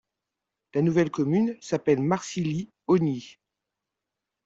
La nouvelle commune s'appelle Marcilly-Ogny.